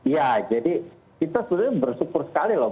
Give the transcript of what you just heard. ya jadi kita sebenarnya bersyukur sekali loh